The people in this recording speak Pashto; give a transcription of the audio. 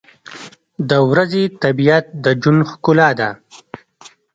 • د ورځې طبیعت د ژوند ښکلا ده.